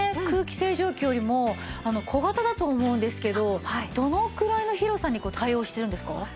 空気清浄機よりも小型だと思うんですけどどのくらいの広さに対応してるんですか？